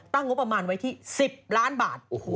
งบประมาณไว้ที่๑๐ล้านบาท